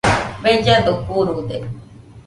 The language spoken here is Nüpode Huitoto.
Bellado kurude